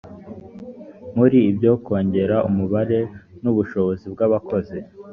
muri byo kongera umubare n ubushobozi bw abakozi